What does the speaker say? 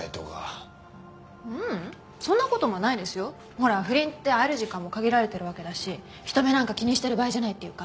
ほら不倫って会える時間も限られてるわけだし人目なんか気にしてる場合じゃないっていうか。